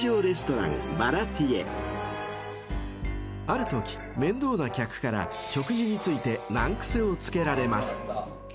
［あるとき面倒な客から食事について難癖をつけられます］